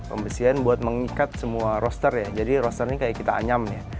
pembesihan buat mengikat semua roster ya jadi roster ini kayak kita anyam ya